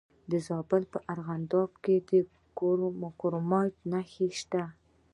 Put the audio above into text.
د زابل په ارغنداب کې د کرومایټ نښې شته.